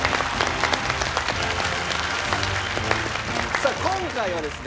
さあ今回はですね